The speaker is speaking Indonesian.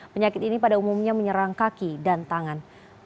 penyakit ini pada umumnya menyerang kaki dan tangan